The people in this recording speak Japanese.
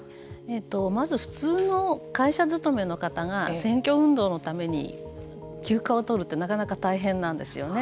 まず普通の会社勤めの方が選挙運動のために休暇を取るってなかなか大変なんですよね。